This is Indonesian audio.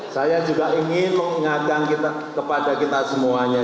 saya juga ingin mengingatkan kepada kita semuanya